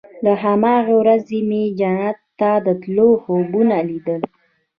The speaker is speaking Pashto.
له هماغې ورځې مې جنت ته د تلو خوبونه ليدل.